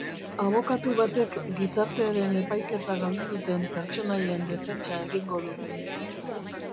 Abokatu batek gizartearen epaiketa galdu duten pertsonaien defentsa egingo du.